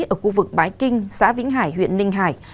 ở khu vực bãi kinh xã vĩnh hải huyện ninh hải